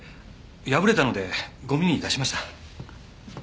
破れたのでゴミに出しました。